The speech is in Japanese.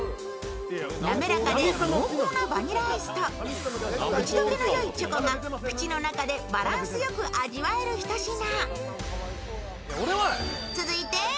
滑らかで濃厚なバニラアイスと口溶けのよいチョコが口の中でバランスよく味わえるひと品。